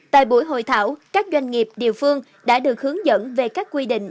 tại buổi hội thảo các doanh nghiệp địa phương đã được hướng dẫn về các quy định